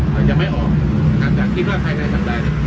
มันยังไม่ออกหลังจากคิดว่าใครได้ทำได้